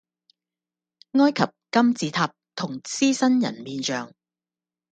埃及金字塔同獅身人面像